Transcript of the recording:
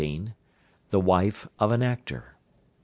The wife of an actor.